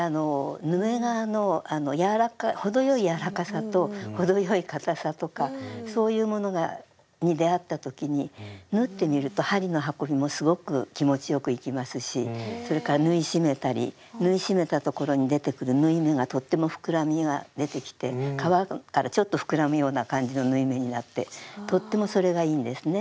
ヌメ革の程よい柔らかさと程よい硬さとかそういうものに出会ったときに縫ってみると針の運びもすごく気持ちよくいきますしそれから縫い締めたり縫い締めたところに出てくる縫い目がとっても膨らみが出てきて革からちょっと膨らむような感じの縫い目になってとってもそれがいいんですね。